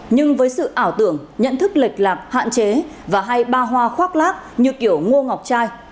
nhưng với sự ảo tưởng nhận thức lệch lạc hạn chế và hai ba hoa khoác lác như kiểu ngô ngọc trai